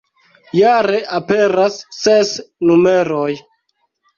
Jare aperas ses numeroj.